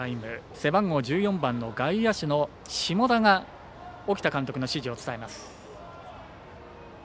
背番号１４番の外野手の下田が沖田監督の指示を伝えます。